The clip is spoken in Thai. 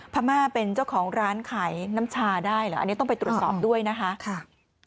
พม่าเป็นเจ้าของร้านขายน้ำชาได้เหรออันนี้ต้องไปตรวจสอบด้วยนะคะ